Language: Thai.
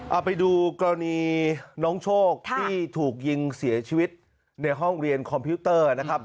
เอาไปดูกรณีน้องโชคที่ถูกยิงเสียชีวิตในห้องเรียนคอมพิวเตอร์นะครับ